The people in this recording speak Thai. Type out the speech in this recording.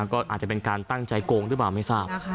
ก็อาจจะเป็นการตั้งใจโกงหรือเปล่าไม่ทราบ